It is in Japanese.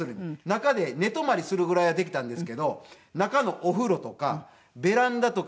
中で寝泊まりするぐらいはできたんですけど中のお風呂とかベランダとかは５６年後でしたね。